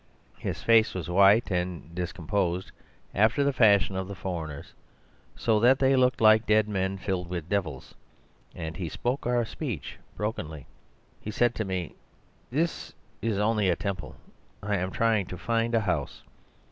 His face was white and discomposed, after the fashion of the foreigners, so that they look like dead men filled with devils; and he spoke our speech brokenly. "He said to me, 'This is only a temple; I am trying to find a house.